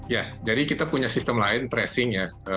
ya jadi kita punya sistem lain tracing ya